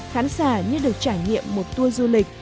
khán giả như được trải nghiệm một tour du lịch